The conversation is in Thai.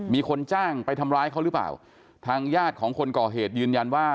มีคนจ้างไปทำร้ายเขาหรือเปล่าทางญาติของคนก่อเหตุยืนยันว่า